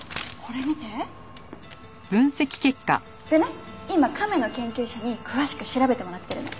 でね今亀の研究者に詳しく調べてもらってるの。